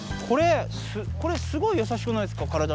これこれすごいやさしくないですか？